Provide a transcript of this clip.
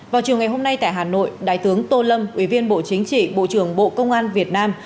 vào chiều ngày hôm nay tại hà nội đại tướng tô lâm ủy viên bộ chính trị bộ trưởng bộ công an việt nam